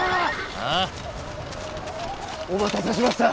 あ？お待たせしました。